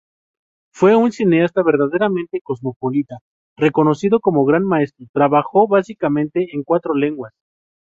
Fue un cineasta verdaderamente cosmopolita reconocido como gran maestro: Trabajó, básicamente, en cuatro lenguas.